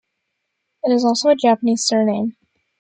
It is also a Japanese surname.